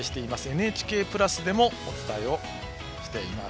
「ＮＨＫプラス」でもお伝えしています。